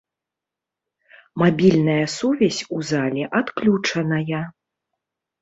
Мабільная сувязь у зале адключаная.